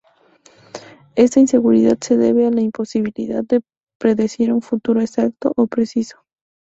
Esta inseguridad se debe a la imposibilidad de predecir un futuro exacto o preciso.